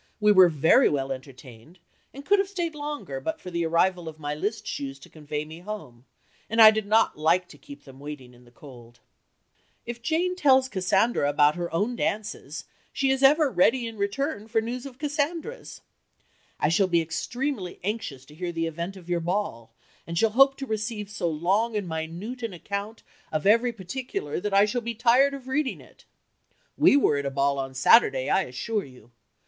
We were very well entertained, and could have stayed longer but for the arrival of my list shoes to convey me home, and I did not like to keep them waiting in the cold." [Illustration: A letter of Jane Austen's] If Jane tells Cassandra about her own dances, she is ever ready in return for news of Cassandra's. "I shall be extremely anxious to hear the event of your ball, and shall hope to receive so long and minute an account of every particular that I shall be tired of reading it.... We were at a ball on Saturday I assure you.